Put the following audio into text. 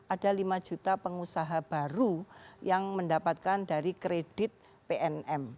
ada lima juta pengusaha baru yang mendapatkan dari kredit pnm